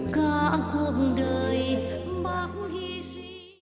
cả cuộc đời bác hy sinh